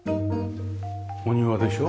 お庭でしょ？